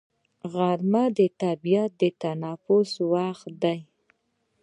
غرمه د طبیعت د تنفس وخت دی